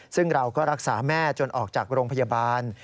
ซึ่งเราก็รักษาแม่จนออกจากโรงพยาบาล